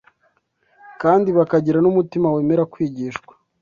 kandi bakagira n’umutima wemera kwigishwa